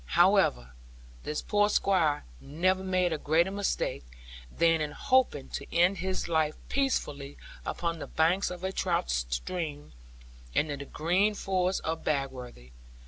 However, this poor Squire never made a greater mistake, than in hoping to end his life peacefully upon the banks of a trout stream, and in the green forest of Bagworthy.